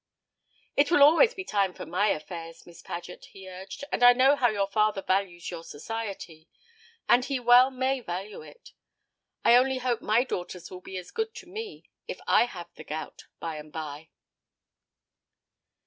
"It will always be time for my affairs, Miss Paget," he urged, "and I know how your father values your society; and he well may value it. I only hope my daughters will be as good to me, if I have the gout, by and by."